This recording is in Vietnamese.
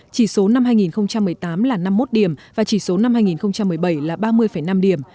chỉ số năm hai nghìn một mươi tám là năm mươi một điểm và chỉ số năm hai nghìn một mươi bảy là ba mươi năm điểm